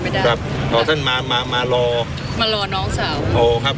ได้ครับพอท่านมามารอมารอน้องสาวอ๋อครับ